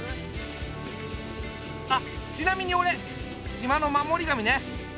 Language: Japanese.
あっちなみに俺島の守り神ね。